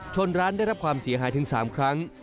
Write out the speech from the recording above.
ร้านได้รับความเสียหายถึง๓ครั้ง